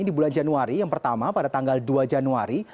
di bulan januari yang pertama pada tanggal dua januari